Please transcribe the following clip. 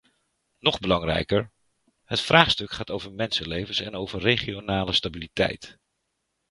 Nog belangrijker, het vraagstuk gaat over mensenlevens en over regionale stabiliteit.